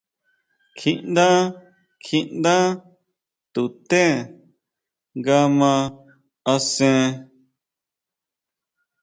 Kjiʼndá, kjiʼndá tuté nga ma asen.